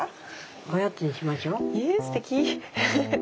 おやつにしましょ。えすてき！